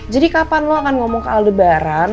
jadi kapan lo akan ngomong ke aldebaran